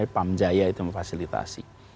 pamjaya itu memfasilitasi